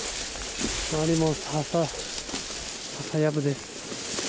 周りもささやぶです。